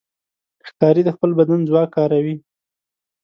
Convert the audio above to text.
ښکاري د خپل بدن ځواک کاروي.